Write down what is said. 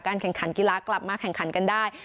แข่งขันกีฬากลับมาแข่งขันกันได้